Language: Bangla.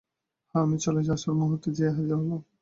হ্যাঁ, আমি চলে আসার মুহূর্তে যেয়ে হাজির হলো।